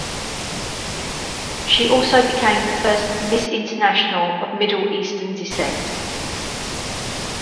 She also became the first Miss International of Middle Eastern descent.